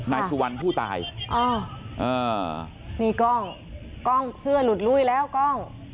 อ้าวนี่กล้องกล้องเสื้อหลุดลุ้ยแล้วกล้อง